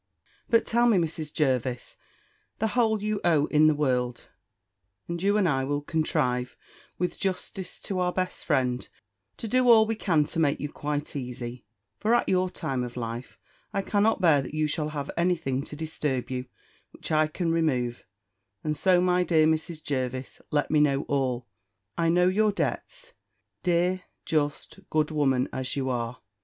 "But tell me, Mrs. Jervis, the whole you owe in the world; and you and I will contrive, with justice to our best friend, to do all we can to make you quite easy; for, at your time of life, I cannot bear that you shall have any thing to disturb you, which I can remove, and so, my dear Mrs. Jervis, let me know all. I know your debts (dear, just, good woman, as you are!)